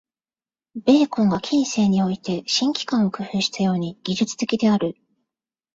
ベーコンが近世において「新機関」を工夫したように、技術的である。